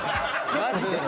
マジで！？